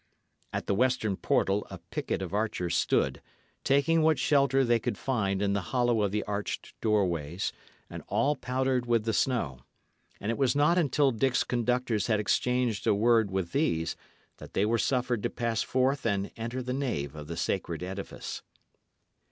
At the western portal a picket of archers stood, taking what shelter they could find in the hollow of the arched doorways, and all powdered with the snow; and it was not until Dick's conductors had exchanged a word with these, that they were suffered to pass forth and enter the nave of the sacred edifice.